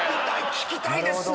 聞きたいですね。